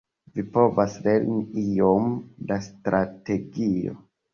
Vi povas lerni iom da strategio.